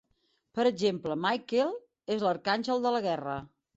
Per exemple, Michael és l'arcàngel de la guerra.